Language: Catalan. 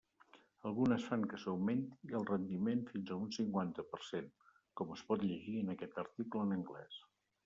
Algunes fan que s'augmenti el rendiment fins a un cinquanta per cent, com es pot llegir en aquest article en anglès.